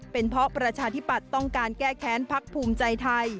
เป็นเพราะประชาธิปัตย์ต้องการแก้แค้นพักภูมิใจไทย